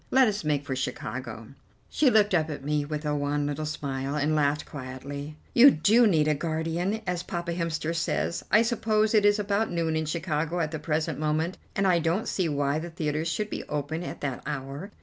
Let us make for Chicago." She looked up at me with a wan little smile, and laughed quietly. "You do need a guardian, as Papa Hemster says. I suppose it is about noon in Chicago at the present moment, and I don't see why the theatres should be open at that hour.